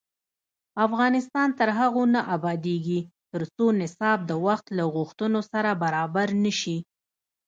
افغانستان تر هغو نه ابادیږي، ترڅو نصاب د وخت له غوښتنو سره برابر نشي.